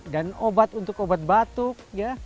dan obat untuk obat batuk